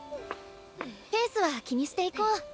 ペースは気にしていこう。